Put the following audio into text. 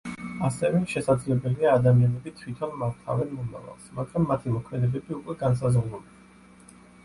ასევე შესაძლებელია ადამიანები თვითონ მართავენ მომავალს, მაგრამ მათი მოქმედებები უკვე განსაზღვრულია.